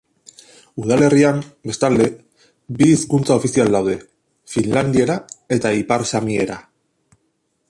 Udalerrian, bestalde, bi hizkuntza ofizial daude: finlandiera eta ipar samiera.